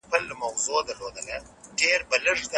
که اخلاص نه وي، باور له منځه ځي.